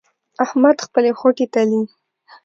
احمد خپلې خوټې تلي.